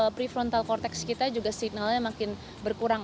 prefrontal cortext kita juga signalnya makin berkurang